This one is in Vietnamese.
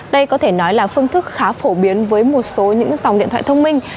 đây có thể nói là phương thức khá phổ biến với một số những dòng điện thoại thông minh